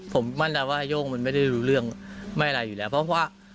ผมมั่นใจว่าโย่งมันไม่ได้รู้เรื่องไม่อะไรอยู่แล้วเพราะว่า